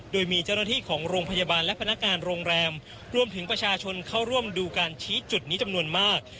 โดยมีเจ้าหน้าที่ของโรงพยาบาลและพนักงานโรงแรมรวมถึงประชาชนเข้าร่วมดูการชี้จุดนี้จำนวนมาก